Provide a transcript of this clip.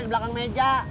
di belakang meja